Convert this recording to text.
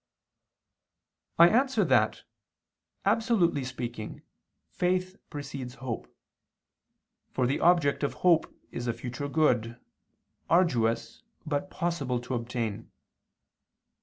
I answer that, Absolutely speaking, faith precedes hope. For the object of hope is a future good, arduous but possible to obtain.